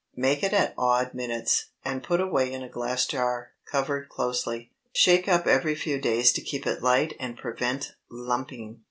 Make it at odd minutes, and put away in a glass jar, covered closely. Shake up every few days to keep it light and prevent lumping.